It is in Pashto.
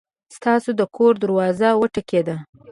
ستاسو د کور دروازه وټکېده!